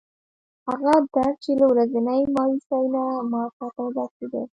هغه درد چې له ورځنۍ مایوسۍ نه ماته پیدا کېده.